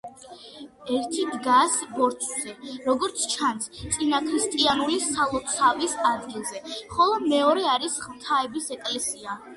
ერთი დგას ბორცვზე, როგორც ჩანს, წინაქრისტიანული სალოცავის ადგილზე, ხოლო მეორე არის ღვთაების ეკლესია.